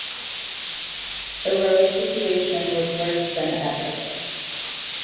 The road situation was worse than ever.